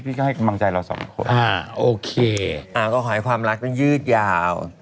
ให้กำลังใจเราสองคนอ่าโอเคอ่าก็ขอให้ความรักนั้นยืดยาว